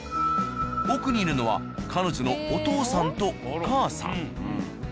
奥にいるのは彼女のお父さんとお母さん。